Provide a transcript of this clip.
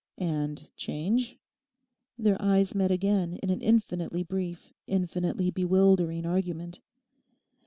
'And "change"?' Their eyes met again in an infinitely brief, infinitely bewildering argument.